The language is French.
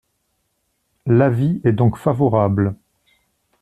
L’avis est donc favorable.